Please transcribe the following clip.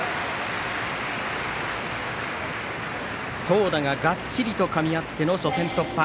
投打ががっちりとかみ合っての初戦突破。